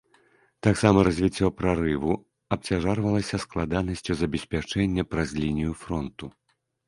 Таксама развіццё прарыву абцяжарвалася складанасцю забеспячэння праз лінію фронту.